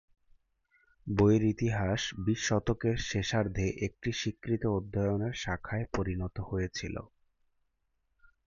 বইয়ের ইতিহাস বিশ শতকের শেষার্ধে একটি স্বীকৃত অধ্যয়নের শাখায় পরিণত হয়েছিল।